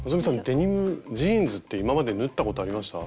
デニムジーンズって今まで縫ったことありました？